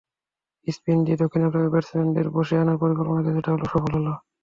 Spin দিয়ে দক্ষিণ আফ্রিকার ব্যাটসম্যানদের বশে আনার পরিকল্পনা কিছুটা হলেও সফল হলো।